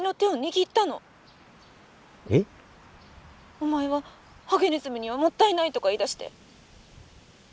「お前はハゲネズミにはもったいないとか言いだして。